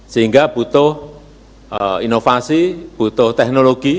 sehingga butuh inovasi butuh teknologi